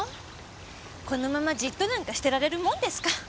このままじっとなんかしてられるもんですか。